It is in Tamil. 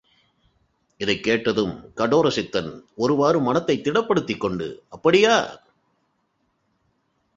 இதைக் கேட்டதுங் கடோர சித்தன் ஒருவாறு மனத்தைத் திடப்படுத்திக் கொண்டு அப்படியா!